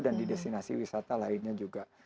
dan di destinasi wisata lainnya juga